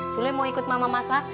sule mau ikut mama masak